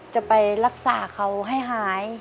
จะไปรักษาเขาให้หาย